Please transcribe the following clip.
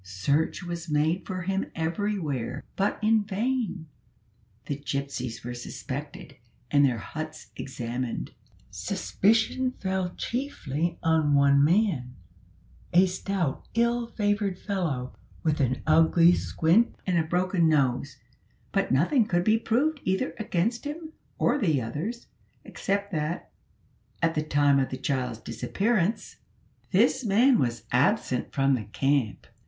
Search was made for him everywhere, but in vain. The gypsies were suspected, and their huts examined. Suspicion fell chiefly on one man, a stout ill favoured fellow, with an ugly squint and a broken nose; but nothing could be proved either against him or the others, except that, at the time of the child's disappearance, this man was absent from the camp.